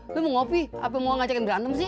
lo mau kopi apa yang mau ngajakin berantem sih